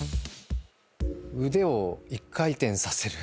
腕を１回転させる。